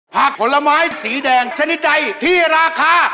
ผลไม้สีแดงชนิดใดที่ราคา